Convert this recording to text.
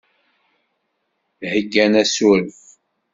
Heggan asuref.